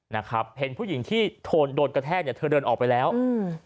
นะครับเห็นผู้หญิงที่โทนโดนกระแทกเนี่ยเธอเดินออกไปแล้วอืม